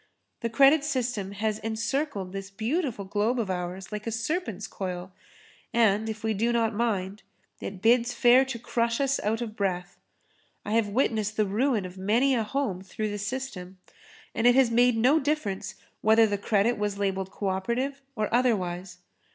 The credit system has encircled this beautiful globe of ours like a serpent's coil, and if we do not mind, it bids fair to crush us out of breath. I have witnessed the ruin of many a home through the system, and it has made no difference whether the credit was labelled co operative or otherwise.